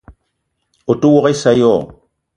O te ouok issa wo?